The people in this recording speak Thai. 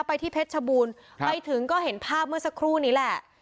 ที่เพชรชบูรณ์ไปถึงก็เห็นภาพเมื่อสักครู่นี้แหละ